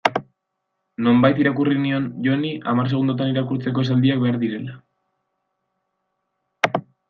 Nonbait irakurri nion Joni hamar segundotan irakurtzeko esaldiak behar direla.